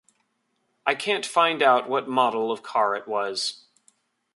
I can't find out what model of car it was.